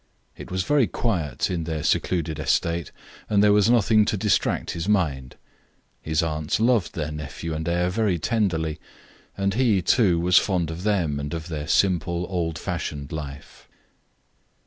It was very quiet in their secluded estate and there was nothing to distract his mind; his aunts loved their nephew and heir very tenderly, and he, too, was fond of them and of their simple, old fashioned life.